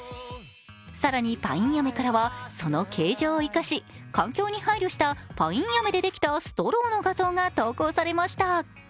更にパインアメからはその形状を生かし環境に配慮したパインアメでできたストローの画像が投稿されました。